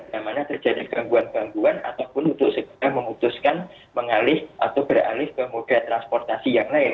yang mana terjadi gangguan gangguan ataupun untuk segera memutuskan mengalih atau beralih ke moda transportasi yang lain